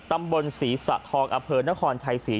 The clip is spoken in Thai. ตำบลสถสะธองอเพิร์นนครชัยศรี